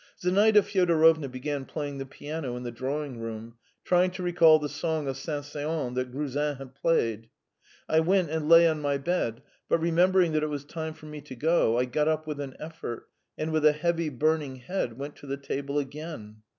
Zinaida Fyodorovna began playing the piano in the drawing room, trying to recall the song of Saint Saens that Gruzin had played. I went and lay on my bed, but remembering that it was time for me to go, I got up with an effort and with a heavy, burning head went to the table again.